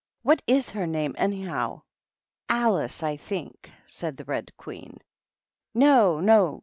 "What %» her name, anyhow?" "Alice, I think," said the Red Queen. " No, no